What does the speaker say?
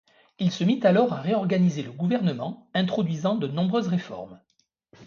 Il se mit alors à réorganiser le gouvernement, introduisant de nombreuses réformes.